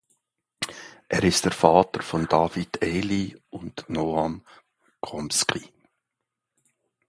Er ist der Vater von David Eli und Noam Chomsky.